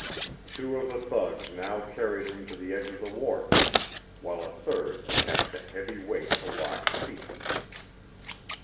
Two of the thugs now carried him to the edge of the wharf, while a third attached a heavy weight to Locke's feet.